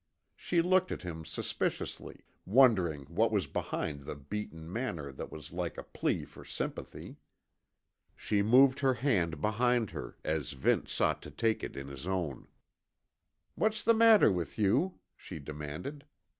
She looked at him suspiciously, wondering what was behind the beaten manner that was like a plea for sympathy. She moved her hand behind her as Vince sought to take it in his own. "What's the matter with you?" she demanded.